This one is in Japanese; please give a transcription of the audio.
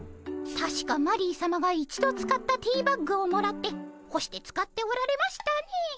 たしかマリーさまが一度使ったティーバッグをもらってほして使っておられましたね。